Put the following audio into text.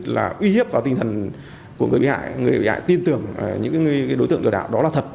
là uy hiếp vào tinh thần của người bị hại người bị hại tin tưởng những đối tượng lừa đảo đó là thật